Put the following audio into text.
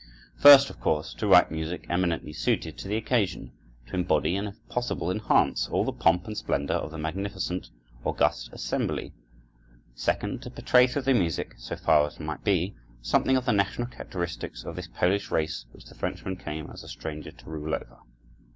First, of course, to write music eminently suited to the occasion, to embody, and, if possible, enhance all the pomp and splendor of the magnificent, august assembly; second, to portray through the music, so far as might be, something of the national characteristics of this Polish race which the Frenchman came as a stranger to rule over.